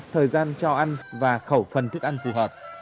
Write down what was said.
thời gian cho ăn và khẩu phần thức ăn phù hợp